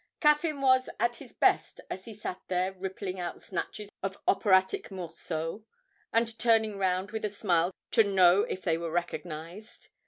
Caffyn was at his best as he sat there rippling out snatches of operatic morceaux, and turning round with a smile to know if they were recognised.